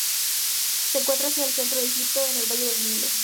Se encuentra hacia el centro de Egipto, en el valle del Nilo.